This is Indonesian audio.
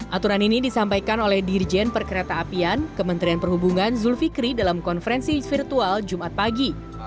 aturan ini disampaikan oleh dirjen perkereta apian kementerian perhubungan zulfikri dalam konferensi virtual jumat pagi